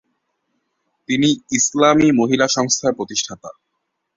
তিনি "ইসলামি মহিলা সংস্থার" প্রতিষ্ঠাতা।